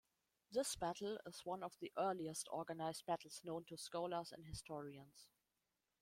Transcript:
This battle is one of the earliest organised battles known to scholars and historians.